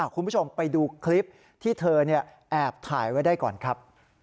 คุณผู้ชมไปดูคลิปที่เธอแอบถ่ายไว้ได้ก่อนครับ